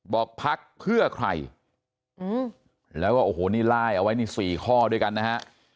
พักเพื่อใครแล้วก็โอ้โหนี่ไล่เอาไว้นี่๔ข้อด้วยกันนะฮะ